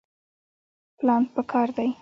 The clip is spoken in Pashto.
پلان پکار دی